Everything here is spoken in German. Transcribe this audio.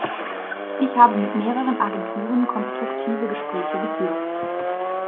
Ich habe mit mehreren Agenturen konstruktive Gespräche geführt.